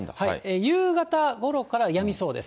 夕方ごろからやみそうです。